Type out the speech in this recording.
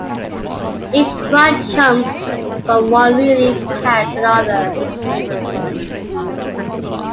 Each frog jumps from one lily pad to the other.